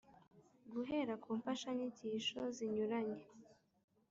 -guhera ku mfashanyigisho zinyuranye